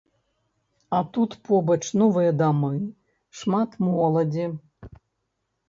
А тут побач новыя дамы, шмат моладзі.